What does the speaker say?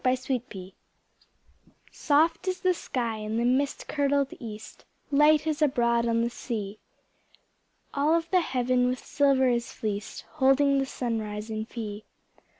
27 THE GULLS I Soft is the sky in the mist kirtled east, Light is abroad on the sea, All of the heaven with silver is fleeced, Holding the sunrise in fee.